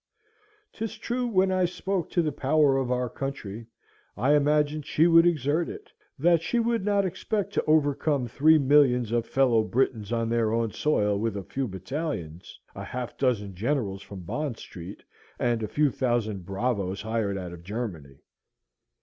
'Tis true when I spoke of the power of our country, I imagined she would exert it; that she would not expect to overcome three millions of fellow Britons on their own soil with a few battalions, a half dozen generals from Bond Street, and a few thousand bravos hired out of Germany.